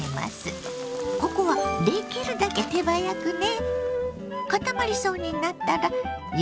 ここはできるだけ手早くね。